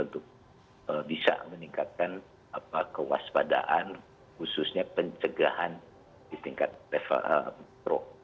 untuk bisa meningkatkan kewaspadaan khususnya pencegahan di tingkat level